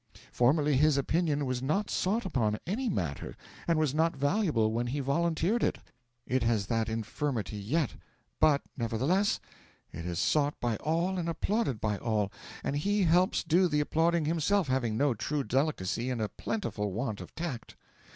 Formerly his opinion was not sought upon any matter and was not valuable when he volunteered it; it has that infirmity yet, but, nevertheless, it is sought by all and applauded by all and he helps do the applauding himself, having no true delicacy and a plentiful want of tact.